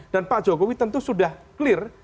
dan pak jokowi tentu sudah clear